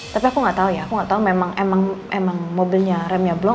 tapi aku gak tau ya aku gak tau memang mobilnya remnya belum